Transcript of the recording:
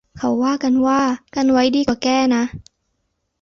เขาว่ากันว่า กันไว้ดีกว่าแก้นะ